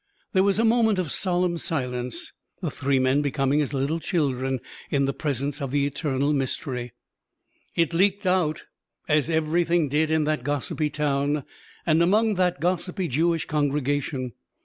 There was a moment of solemn silence, the three men becoming as the little children in the presence of the eternal mystery. It leaked out, as everything did in that gossipy town, and among that gossipy Jewish congregation.